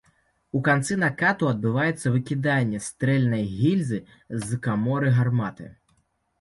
У канцы накату адбываецца выкіданне стрэлянай гільзы з каморы гарматы.